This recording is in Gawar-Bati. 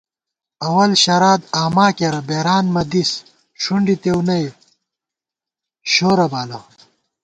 اول شرادآما کېرہ بېرانت مہ دِس ݭُنڈِتېؤ نئ شورَہ بالہ